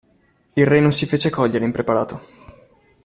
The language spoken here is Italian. Il re non si fece cogliere impreparato.